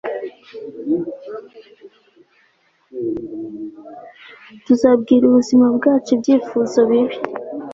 tuzabwira ubuzima bwacu ibyifuzo bibi